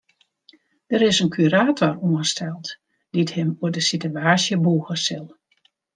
Der is in kurator oansteld dy't him oer de sitewaasje bûge sil.